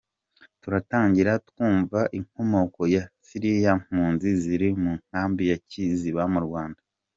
Turatangira twumva inkomoko ya ziriya mpunzi ziri mu nkambi ya Kiziba mu Rwanda.